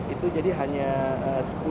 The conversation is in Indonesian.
itu jadi hanya sepuluh perusahaan saja ya